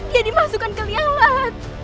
dia dimasukkan ke liang lat